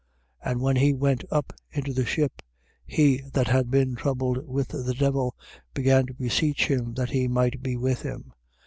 5:18. And when he went up into the ship, he that had been troubled with the devil, began to beseech him that he might be with him.